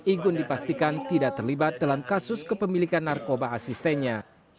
igun dipastikan tidak terlibat dalam kasus kepemilikan narkoba asistennya